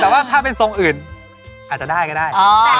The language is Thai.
แต่ว่าถ้าเป็นทรงอื่นอาจจะได้ก็ได้